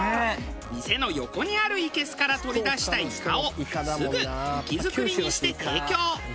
店の横にあるいけすから取り出したイカをすぐ活き造りにして提供。